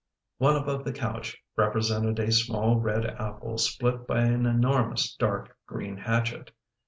One above the couch represented a small red apple split by an enormous dark green hatchet.